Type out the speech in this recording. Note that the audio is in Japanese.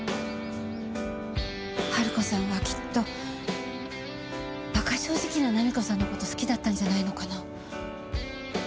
春子さんはきっと馬鹿正直な菜実子さんの事好きだったんじゃないのかな。